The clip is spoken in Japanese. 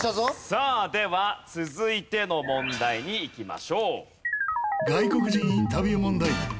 さあでは続いての問題にいきましょう。